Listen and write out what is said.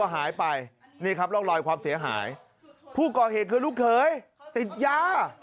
หายไปนี่ครับร่องรอยความเสียหายผู้ก่อเหตุคือลูกเขยติดยา